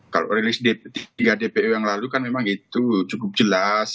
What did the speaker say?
kalau rilis dp tiga dpo yang lalu kan memang itu cukup jelas